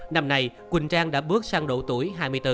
năm nay quỳnh trang đã bước sang độ tuổi hai mươi bốn